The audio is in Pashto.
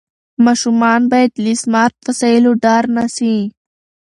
ماشومان باید له سمارټ وسایلو ډار نه سي.